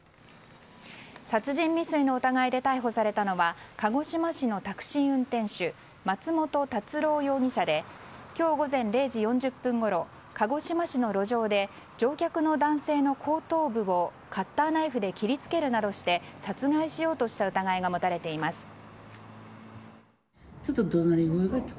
殺人未遂の疑いで逮捕されたのは鹿児島市のタクシー運転手松元辰郎容疑者で今日午前０時４０分ごろ鹿児島市の路上で乗客の男性の後頭部をカッターナイフで切り付けるなどして殺害しようとした疑いが持たれています。